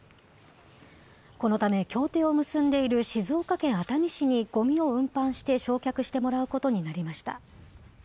このため、協定を結んでいる静岡県熱海市にごみを運搬して焼却してもらうことになりました。